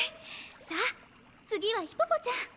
さあ次はヒポポちゃん。